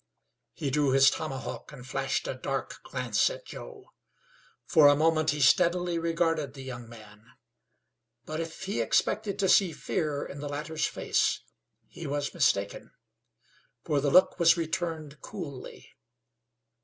He drew his tomahawk and flashed a dark glance at Joe. For a moment he steadily regarded the young man; but if he expected to see fear in the latter's face he was mistaken, for the look was returned coolly.